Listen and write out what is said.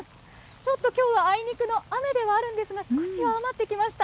ちょっときょうはあいにくの雨ではあるんですが、少し弱まってきました。